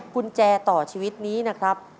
กุญแจต่อชีวิตนี้นะครับ